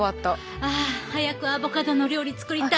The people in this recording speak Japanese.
ああ早くアボカドの料理作りたい！